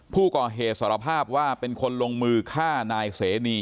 ผู้ก่อเหตุสารภาพว่าเป็นคนลงมือฆ่านายเสนี